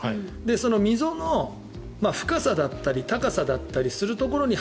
その溝の深さだったり高さだったりするところに